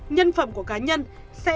nhân phẩm của cá nhân sẽ